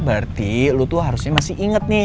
berarti lu tuh harusnya masih inget nih